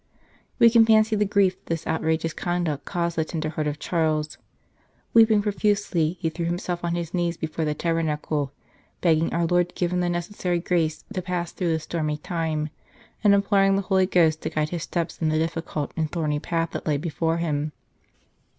We can fancy the grief that this outrageous conduct caused the tender heart of Charles. Weeping profusely, he threw himself on his knees before the tabernacle, begging our Lord to give him the necessary grace to pass through this stormy time, and imploring the Holy Ghost to guide his steps in the difficult and thorny path that lay before him.